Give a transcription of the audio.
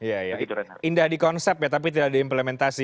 iya iya indah dikonsep ya tapi tidak diimplementasi